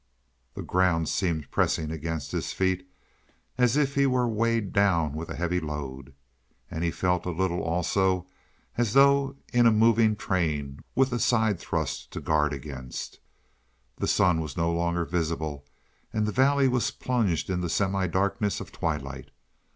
The ground seemed pressing against his feet as if he were weighted down with a heavy load. And he felt a little also as though in a moving train with a side thrust to guard against. The sun was no longer visible, and the valley was plunged in the semidarkness of twilight.